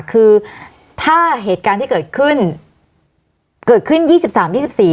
คือถ้าเหตุการณ์ที่เกิดขึ้นเกิดขึ้นยี่สิบสามยี่สิบสี่